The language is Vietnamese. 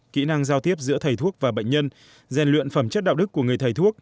kỹ năng giao tiếp giữa thầy thuốc và bệnh nhân rèn luyện phẩm chất đạo đức của người thầy thuốc